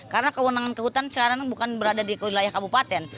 karena kewenangan kehutan sekarang bukan berada di wilayah kabupaten